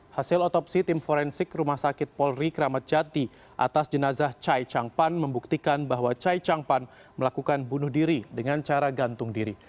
hasil otopsi tim forensik rumah sakit polri kramat jati atas jenazah chai chang pan membuktikan bahwa chai chang pan melakukan bunuh diri dengan cara gantung diri